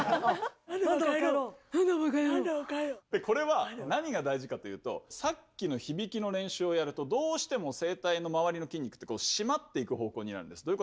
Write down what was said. これは何が大事かというとさっきの響きの練習をやるとどうしても声帯のまわりの筋肉って締まっていく方向になるんです。